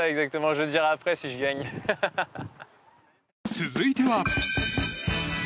続いては。